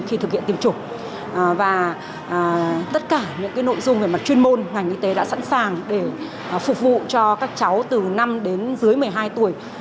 khi thực hiện tiêm chủng và tất cả những nội dung về mặt chuyên môn ngành y tế đã sẵn sàng để phục vụ cho các cháu từ năm đến dưới một mươi hai tuổi